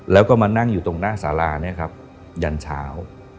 แล้วก็มานั่งอยู่ตรงหน้าสาราเนี่ยครับยันเช้า